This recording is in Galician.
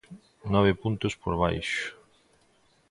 Nove puntos por baixo.